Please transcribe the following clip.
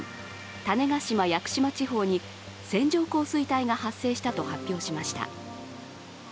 種子島・屋久島地方に線状降水帯が発生したと発表しました。